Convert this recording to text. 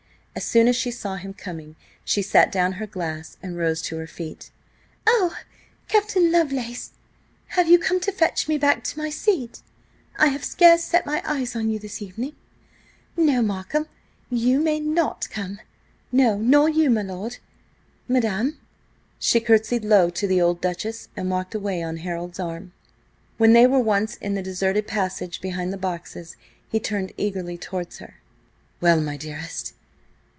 As soon as she saw him coming she set down her glass and rose to her feet. "Oh, Captain Lovelace! Have you come to fetch me back to my seat? I have scarce set eyes on you this evening. No, Markham, you may not come! No, nor you, my lord! Madam—" She curtsied low to the old Duchess and walked away on Harold's arm. When they were once in the deserted passage behind the boxes, he turned eagerly towards her. "Well, my dearest?